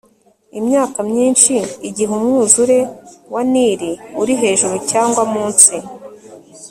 imyaka myinshi igihe umwuzure wa nili uri hejuru cyangwa munsi